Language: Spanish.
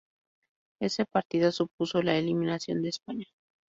Ese partido supuso la eliminación de España.